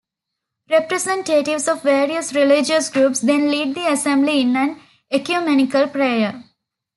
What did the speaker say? Representatives of various religious groups then lead the assembly in an ecumenical prayer.